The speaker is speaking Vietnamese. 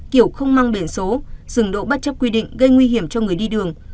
kiểu không mang biển số dừng đỗ bất chấp quy định gây nguy hiểm cho người đi đường